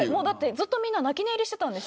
ずっと、みんな泣き寝入りしてたんです。